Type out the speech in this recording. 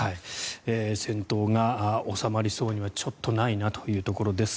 戦闘が収まりそうにはちょっとないなというところです。